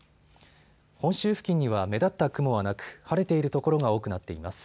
本州付近には目立った雲はなく晴れている所が多くなっています。